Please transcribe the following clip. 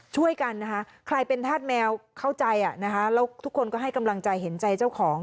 ช่วยกันนะคะใครเป็นธาตุแมวเข้าใจแล้วทุกคนก็ให้กำลังใจเห็นใจเจ้าของ